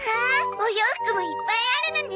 お洋服もいっぱいあるのね。